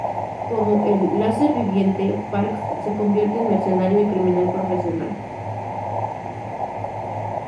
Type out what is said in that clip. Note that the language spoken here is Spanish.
Como el "Láser Viviente", Parks se convierte en mercenario y criminal profesional.